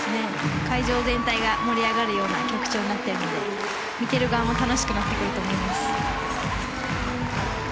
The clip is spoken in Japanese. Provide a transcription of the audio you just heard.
会場全体が盛り上がるような曲調になっているので見ている側も楽しくなってくると思います。